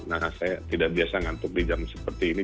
nah saya tidak biasa ngantuk di jam seperti ini